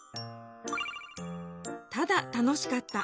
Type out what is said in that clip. ただ「楽しかった」